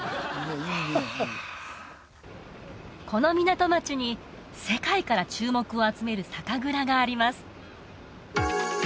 この港町に世界から注目を集める酒蔵があります